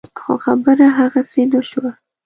خو خبره هغسې نه شوه.